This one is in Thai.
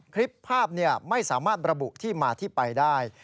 คลิปภาพไม่สามารถระบุที่มาที่ไปได้